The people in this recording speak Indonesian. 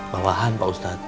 bawahan pak ustadz